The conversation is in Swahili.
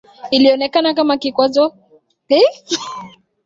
Ilionekana kama kikwazo kinachozuia umma kuzalisha mazao yatokanayo na mazingira